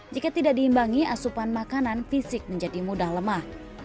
jika tidak diimbangi asupan makanan fisik menjadi mudah lemah